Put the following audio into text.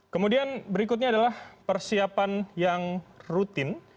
kemudian berikutnya adalah persiapan yang rutin